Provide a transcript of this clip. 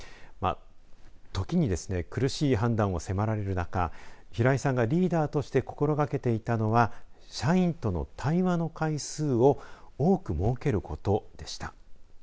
時にですね、苦しい判断を迫られる中平井さんがリーダーとして心がけていたのは社員との対話の回数を多く設けることでした。